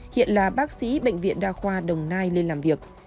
hiện là bác sĩ bệnh viện đa khoa đồng nai lên làm việc